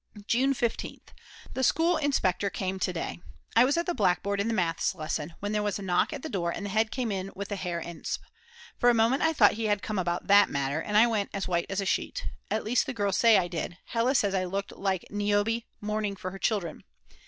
June 15th. The school inspector came to day. I was at the blackboard in the Maths lesson, when there was a knock at the door and the head came in with the Herr Insp. For a moment I thought he had come about that matter, and I went as white as a sheet (at least the girls say I did; Hella says I looked like Niobe mourning for her children).